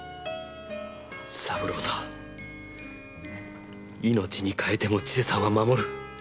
三郎太命に代えても千世さんは守る。